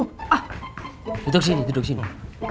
ah duduk sini duduk sini